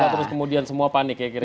terus kemudian semua panik ya kira kira